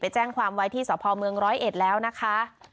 แจ้งความไว้ที่สพเมืองร้อยเอ็ดแล้วนะคะ